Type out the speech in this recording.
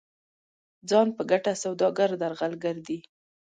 ځان په ګټه سوداګر درغلګر دي.